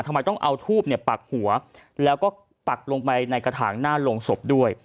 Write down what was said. ทำไมต้องเอาทูบเนี่ยปักหัวแล้วก็ปักลงไปในกระถางหน้าโรงศพด้วย